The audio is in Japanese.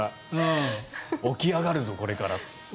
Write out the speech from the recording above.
起き上がるぞこれから。